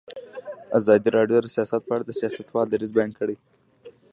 ازادي راډیو د سیاست په اړه د سیاستوالو دریځ بیان کړی.